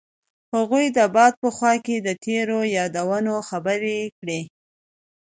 هغوی د باد په خوا کې تیرو یادونو خبرې کړې.